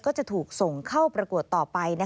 ก็จะถูกส่งเข้าประกวดต่อไป